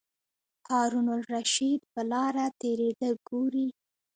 هارون الرشید په لاره تېرېده ګوري.